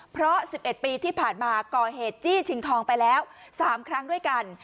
เพราะ๑๑ปีที่ผ่านมาก่อเหตุจี้ชิงทองไปแล้ว๓ครั้งด้วยกัน